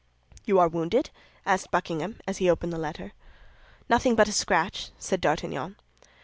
"You are wounded?" asked Buckingham, as he opened the letter. "Oh, nothing but a scratch," said D'Artagnan.